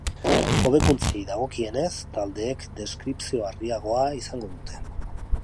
Hobekuntzei dagokienez, taldeek deskripzio argiagoa izango dute.